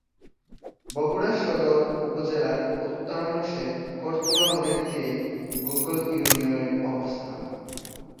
বগুড়া সদর উপজেলার উত্তরাংশে করতোয়া নদীর তীরে গোকুল ইউনিয়নের অবস্থান।